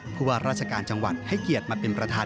ผู้ว่าราชการจังหวัดให้เกียรติมาเป็นประธาน